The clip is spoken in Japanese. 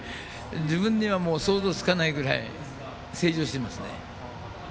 自分には想像つかないぐらい成長していますね。